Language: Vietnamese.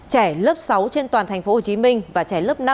trẻ lớp sáu trên toàn thành phố hồ chí minh và trẻ lớp năm